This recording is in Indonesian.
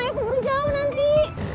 ayo keburu jauh nanti